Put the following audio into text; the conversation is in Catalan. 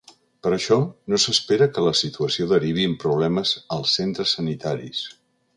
Per això, no s’espera que la situació derivi en problemes als centres sanitaris.